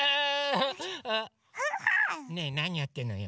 ねえなにやってんのよ。